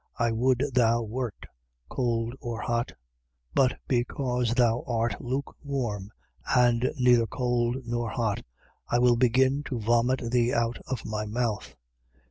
I would thou wert cold or hot. 3:16. But because thou art lukewarm and neither cold nor hot, I will begin to vomit thee out of my mouth.